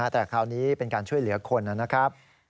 แต่คราวนี้เป็นการช่วยเหลือคนนะครับ